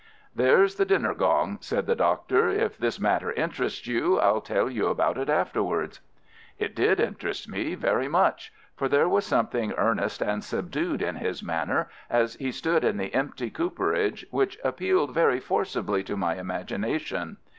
"There's the dinner gong," said the Doctor. "If this matter interests you I'll tell you about it afterwards." It did interest me very much, for there was something earnest and subdued in his manner as he stood in the empty cooperage, which appealed very forcibly to my imagination.